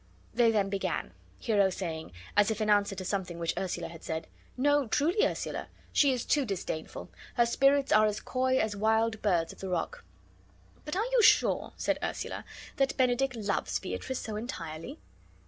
They then began, Hero saying', as if in answer to something which Ursula had said: "No, truly, Ursula. She is too disdainful; her spirits are as coy as wild birds of the rock." "But are you sure," said Ursula, "that Benedick loves Beatrice so entirely?"